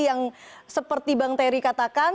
yang seperti bang terry katakan